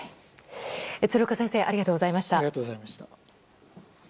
鶴岡先生ありがとうございました。